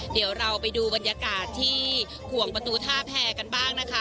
เดี๋ยวเราไปดูบรรยากาศที่ขวงประตูท่าแพรกันบ้างนะคะ